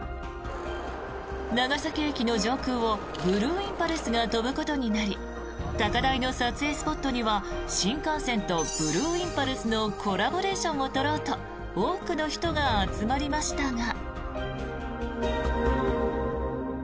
長崎駅の上空をブルーインパルスが飛ぶことになり高台の撮影スポットには新幹線とブルーインパルスのコラボレーションを撮ろうと多くの人が集まりましたが。